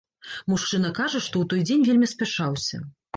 Мужчына кажа, што ў той дзень вельмі спяшаўся.